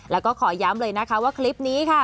แล้วก็ขอย้ำเลยนะคะว่าคลิปนี้ค่ะ